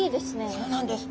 そうなんです。